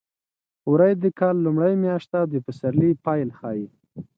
وری د کال لومړۍ میاشت ده او د پسرلي پیل ښيي.